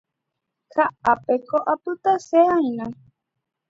Ha ápeko apytase'aína